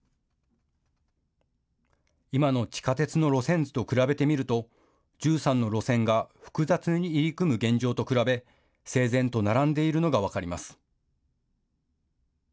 今の地下鉄の路線図と比べてみると、１３の路線が複雑に入り組む現状と比べ整然と並んでいるのが分かります。